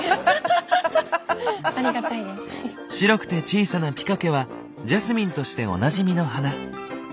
白くて小さなピカケはジャスミンとしておなじみの花。